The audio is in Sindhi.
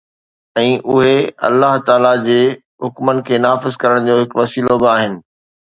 ۽ اهي الله تعاليٰ جي حڪمن کي نافذ ڪرڻ جو هڪ وسيلو به آهن